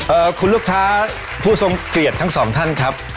เอ่อคุณลูกท้าผู้ทรงเกลียดทั้งสองท่านครับ